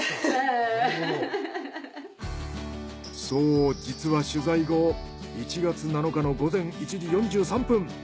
そう実は取材後１月７日の午前１時４３分